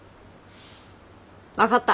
分かった。